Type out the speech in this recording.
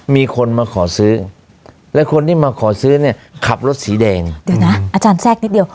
มีคนมาขอซื้อและคนที่มาขอซื้อเนี่ยขับรถสีแดงเดี๋ยวนะอาจารย์แทรกนิดเดียว